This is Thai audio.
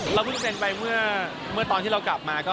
เพิ่งเป็นไปเมื่อตอนที่เรากลับมาก็